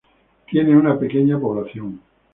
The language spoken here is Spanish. Tiene una pequeña población.